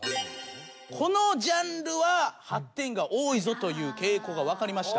このジャンルは８点が多いぞという傾向が分かりました。